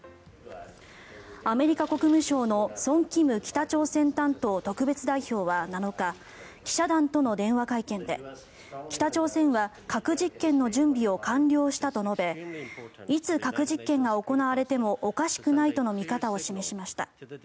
アメリカ国務省のソン・キム北朝鮮担当特別代表は７日記者団との電話会見で北朝鮮は核実験の準備を完了したと述べいつ核実験が行われてもおかしくないとの見方を示しました。